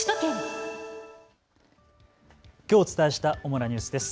きょうお伝えした主なニュースです。